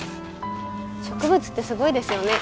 植物ってすごいですよね。